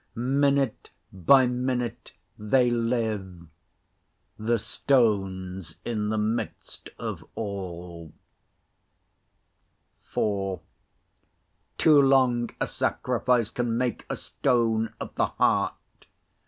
Minute by minute they live: The stone's in the midst of all. IVToo long a sacrifice Can make a stone of the heart.